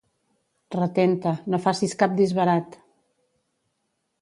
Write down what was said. Retén-te, no facis cap disbarat!